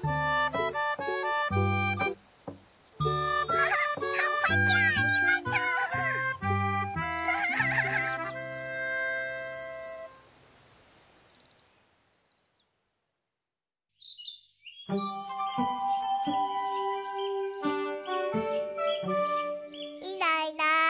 キャハはっぱちゃんありがとう！キャハハハ！いないいない。